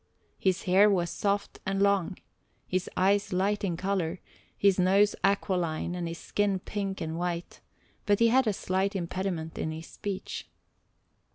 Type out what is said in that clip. His hair was soft and long, his eyes light in colour, his nose aquiline, and his skin pink and white; but he had a slight impediment in his speech.